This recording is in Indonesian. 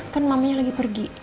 kan mamanya lagi pergi